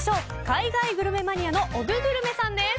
海外グルメマニアのおぐグルメさんです。